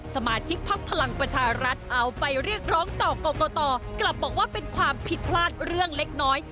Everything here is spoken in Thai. สมาชิกพักพลังประชารัฐเอาไปเรียกร้องต่อกรกตกลับบอกว่าเป็นความผิดพลาดเรื่องเล็กน้อย